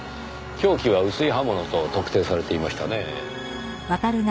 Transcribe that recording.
凶器は薄い刃物と特定されていましたねぇ。